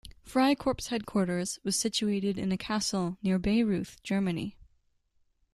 Freikorp's headquarters was situated in a castle near Bayreuth, Germany.